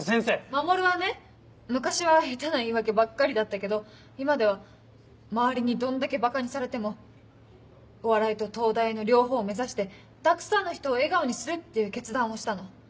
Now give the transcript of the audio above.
守はね昔は下手な言い訳ばっかりだったけど今では周りにどんだけばかにされてもお笑いと東大の両方を目指してたくさんの人を笑顔にするっていう決断をしたの。